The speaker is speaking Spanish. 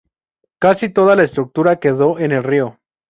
Casi toda la estructura quedó en el río.